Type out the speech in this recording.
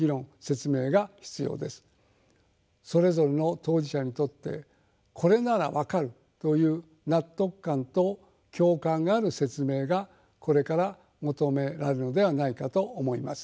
それぞれの当事者にとって「これなら分かる」という納得感と共感がある説明がこれから求められるのではないかと思います。